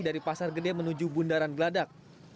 dari pasar gede menuju bundaran geladak